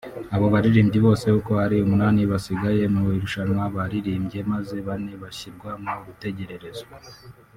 abo baririmbyi bose uko ari umunani basigaye mu irushanwa bararirimbye maze bane bashyirwa mu rutegererezo